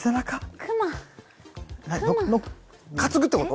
熊熊担ぐってこと？